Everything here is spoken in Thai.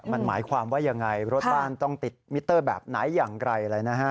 มันหมายความว่ายังไงรถบ้านต้องติดมิเตอร์แบบไหนอย่างไรอะไรนะฮะ